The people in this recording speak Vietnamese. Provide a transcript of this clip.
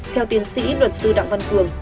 theo tiến sĩ luật sư đặng văn quường